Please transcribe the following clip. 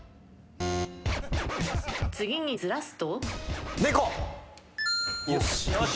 次にずらすと？